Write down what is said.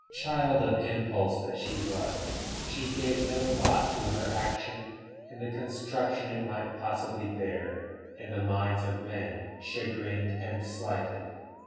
Child of impulse that she was, she gave no thought to her action and the construction it might possibly bear in the minds of men chagrined and slighted.